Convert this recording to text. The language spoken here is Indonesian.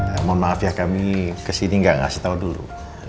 mohon maaf ya kami ke sini gak ngasih tau dulu